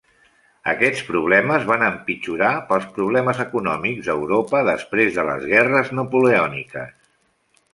Aquests problemes van empitjorar pels problemes econòmics d'Europa després de les guerres napoleòniques.